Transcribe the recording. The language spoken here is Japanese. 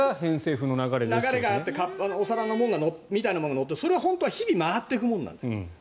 お皿みたいなものが乗ってそれが本当は日々回っていくものなんです。